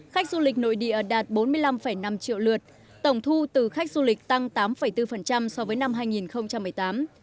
khách du lịch nội địa đạt bốn mươi năm năm triệu lượt tổng thu từ khách du lịch tăng tám bốn so với năm hai nghìn một mươi tám